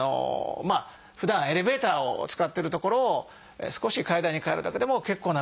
ふだんエレベーターを使ってるところを少し階段に替えるだけでも結構な運動になります。